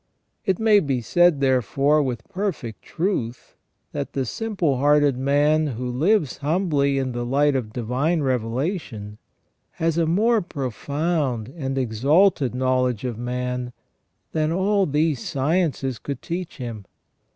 It may be said, therefore, with perfect truth that the simple hearted man who lives humbly in the light of divine revelation, has a more profound and exalted knowledge of man than all these sciences could teach him.